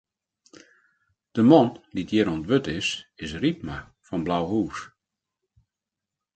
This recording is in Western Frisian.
De man dy't hjir oan it wurd is, is Rypma fan Blauhûs.